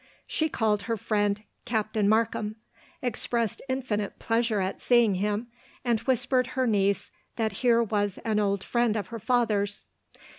She called her friend "Captain Markham," expressed infinite pleasure at seeing him, and whispered her niece that here was an old friend of her father's.